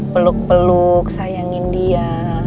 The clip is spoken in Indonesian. peluk peluk sayangin dia